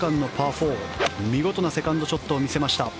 ４見事なセカンドショットを見せました。